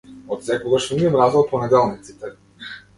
Од секогаш сум ги мразел понеделниците.